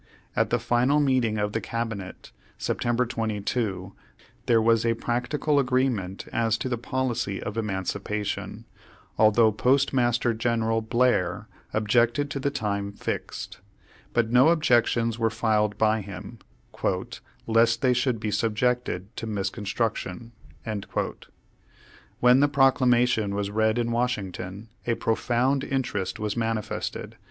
At the final meeting of the cabinet, Septem ber 22, there was a practical agreement as to the policy of emancipation, although Postmaster Gen eral Blair objected to the time fixed. But no objec tions were filed by him, "lest they should be sub ject to misconstruction." When the Proclamation was read in Washing ton, a profound interest was manifested.